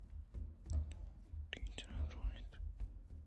ٹیچر ءَ درّائنیت